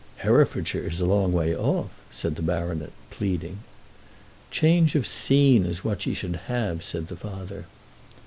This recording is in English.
"Herefordshire is a long way off," said the baronet, pleading. "Change of scene is what she should have," said the father.